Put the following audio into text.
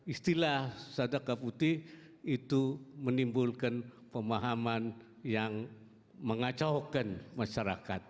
istilah sadaka putih itu menimbulkan pemahaman yang mengacaukan masyarakat